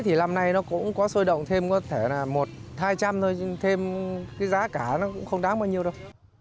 thì năm nay nó cũng có sôi động thêm có thể là một hai trăm linh thôi thêm cái giá cả nó cũng không đáng bao nhiêu đâu